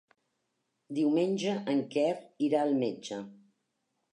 Diumenge en Quer irà al metge.